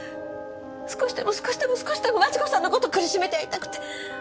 少しでも少しでも少しでも万智子さんの事苦しめてやりたくて。